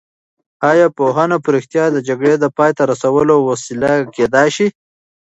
ایا پوهنه په رښتیا د جګړې د پای ته رسولو وسیله کېدای شي؟